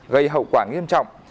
gây hậu quả nghiêm trọng